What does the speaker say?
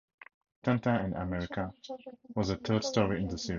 "Tintin in America" was the third story in the series.